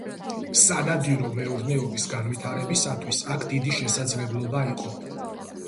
სანადირო მეურნეობის განვითარებისათვის აქ დიდი შესაძლებლობა იყო.